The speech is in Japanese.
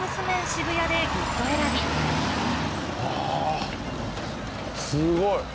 渋谷でギフト選びあぁすごい！